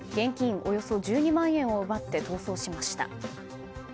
およそ１２万円を奪って逃走しました。